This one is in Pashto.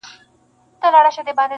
خامخا به څه سُرور د پیالو راوړي-